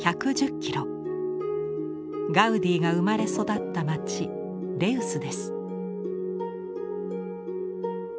キロガウディが生まれ育った町レウスです。